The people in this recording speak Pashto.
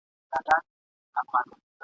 لړزوي به آسمانونه ..